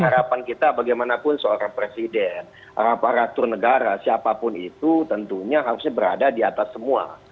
harapan kita bagaimanapun seorang presiden aparatur negara siapapun itu tentunya harusnya berada di atas semua